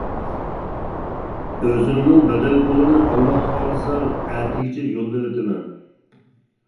ئۆزۈمنىڭ بەدەل پۇلىنى ئاللا خالىسا ئەتىگىچە يوللىۋېتىمەن.